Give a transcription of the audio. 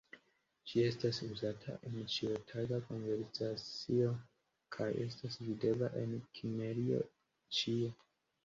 Ĝi estas uzata en ĉiutaga konversacio kaj estas videbla en Kimrio ĉie.